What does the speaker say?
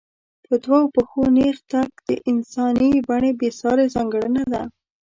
په دوو پښو نېغ تګ د انساني بڼې بېسارې ځانګړنه ده.